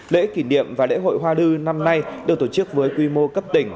lễ kỷ niệm và lễ hội hoa đư năm nay được tổ chức với quy mô cấp đỉnh